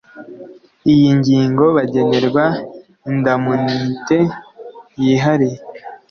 iyi ngingo Bagenerwa indamunite yihariye